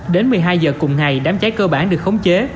đến một mươi hai giờ cùng ngày đám cháy cơ bản được khống chế